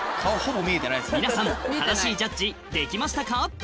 皆さん正しいジャッジできましたか？